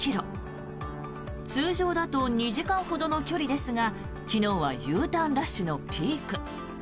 通常だと２時間ほどの距離ですが昨日はＵターンラッシュのピーク。